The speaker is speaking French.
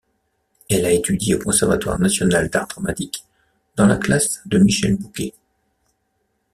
Elle a étudié au Conservatoire national d'art dramatique dans la classe de Michel Bouquet.